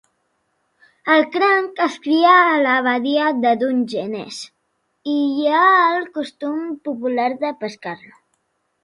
El cranc es cria a la badia de Dungeness, i hi ha el costum popular de pescar-lo.